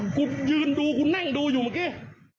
กูยืนดูนั่งดูอยู่เหมือนกี้